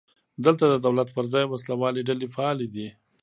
دلته د دولت پر ځای وسله والې ډلې فعالې دي.